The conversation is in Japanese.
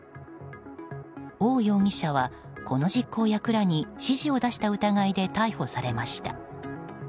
オウ容疑者はこの実行役らに指示を出した疑いで逮捕されました。